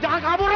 jangan kabur lu